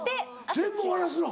全部終わらすの。